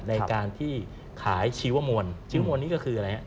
ในการที่ขายชีวมวลชีวมวลนี้ก็คืออะไรฮะ